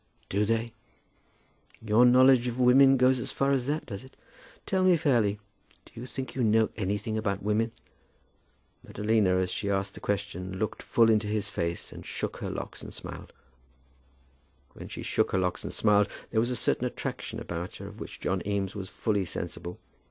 "Do they? Your knowledge of women goes as far as that, does it? Tell me fairly; do you think you know anything about women?" Madalina as she asked the question, looked full into his face, and shook her locks and smiled. When she shook her locks and smiled, there was a certain attraction about her of which John Eames was fully sensible.